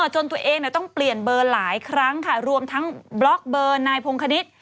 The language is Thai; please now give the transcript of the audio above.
จนตัวเองต้องเปลี่ยนเบอร์หลายครั้งค่ะรวมทั้งบล็อกเบอร์นายพงคณิต